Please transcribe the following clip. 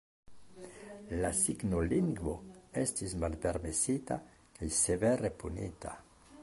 La signolingvo estis malpermesita, kaj severe punita.